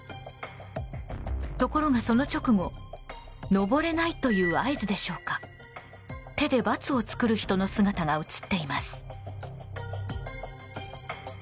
ところが、その直後上れないという合図でしょうか手でバツを作る人の姿が映っています。